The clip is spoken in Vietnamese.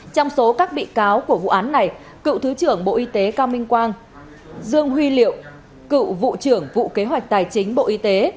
trong số các bị cáo của vụ án này cựu thứ trưởng bộ y tế cao minh quang dương huy liệu cựu vụ trưởng vụ kế hoạch tài chính bộ y tế